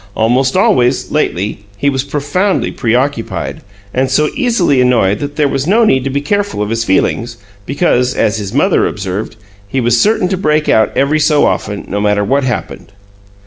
Almost always, lately, he was profoundly preoccupied, and so easily annoyed that there was no need to be careful of his feelings, because as his mother observed he was "certain to break out about every so often, no matter what happened!"